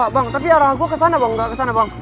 bang tapi arah gua kesana bang